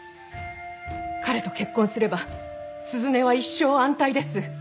彼と結婚すれば鈴音は一生安泰です。